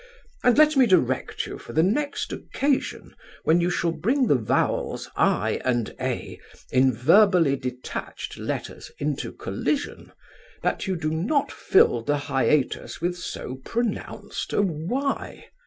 And let me direct you, for the next occasion when you shall bring the vowels I and A, in verbally detached letters, into collision, that you do not fill the hiatus with so pronounced a Y.